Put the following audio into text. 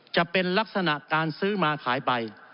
จะเป็นลักษณะการซื้อมาขายไป